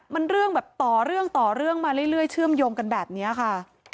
มันเรื่องต่อเรื่องมาเรื่อยเชื่อมโยงกันแบบนี้ค่ะ